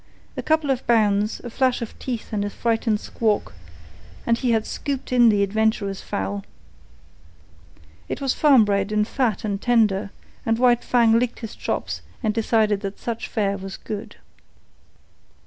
A couple of bounds, a flash of teeth and a frightened squawk, and he had scooped in the adventurous fowl. It was farm bred and fat and tender; and White Fang licked his chops and decided that such fare was good.